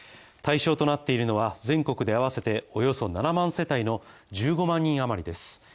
対象となっているのは全国で合わせておよそ７万世帯の１５万人余りです。